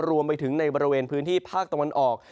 รวมไปถึงในบริเวณพื้นที่ภาคตะวันออก